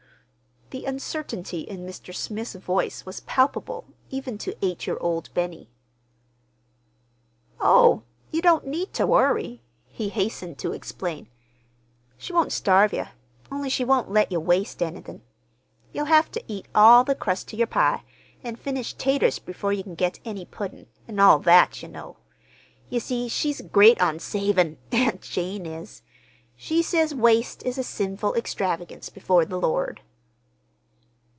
The uncertainty in Mr. Smith's voice was palpable even to eight year old Benny. "Oh, you don't need ter worry," he hastened to explain. "She won't starve ye; only she won't let ye waste anythin'. You'll have ter eat all the crusts to yer pie, and finish 'taters before you can get any puddin', an' all that, ye know. Ye see, she's great on savin'—Aunt Jane is. She says waste is a sinful extravagance before the Lord."